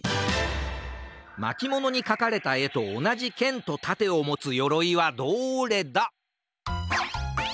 まきものにかかれたえとおなじけんとたてをもつよろいはどれだ？